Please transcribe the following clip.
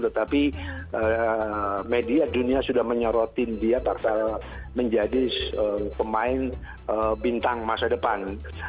tetapi media dunia sudah menyorotin dia bakal menjadi pemain bintang masa depan